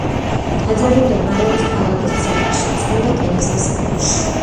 ტაძარი მდებარეობს ქალაქის ცენტრში, წმინდა ტერეზას სკვერში.